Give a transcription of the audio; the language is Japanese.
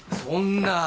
そんな。